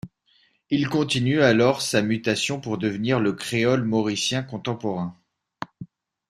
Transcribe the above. Il continue alors sa mutation pour devenir le créole mauricien contemporain.